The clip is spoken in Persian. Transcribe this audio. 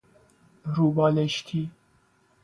رو بالشتی